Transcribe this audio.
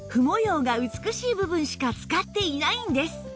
模様が美しい部分しか使っていないんです